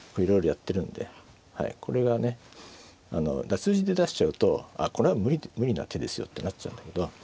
数字で出しちゃうとああこれは無理な手ですよってなっちゃうんだけど